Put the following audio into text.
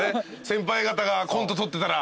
先輩方がコント撮ってたら。